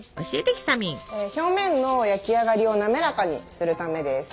表面の焼き上がりを滑らかにするためです。